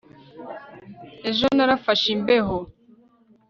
Ejo narafashe imbeho